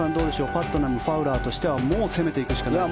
パットナム、ファウラーとしてはもう攻めていくしかない。